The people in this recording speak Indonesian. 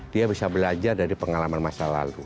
dia bisa belajar dari pengalaman masa lalu